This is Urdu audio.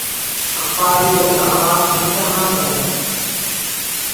اخبار رپورٹ کا آغاز اس طرح کر ہے